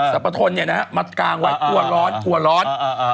สัมปทนเนี่ยนะมัดกางไว้ปั่วร้อนปั่วร้อน